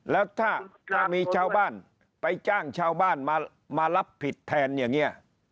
แล้วถ้ามีชาวบ้านไปจ้างชาวบ้านมารับผิดแทนอย่างนี้